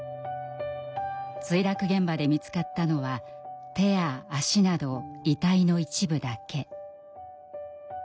墜落現場で見つかったのは手や足など遺体の一部だけ。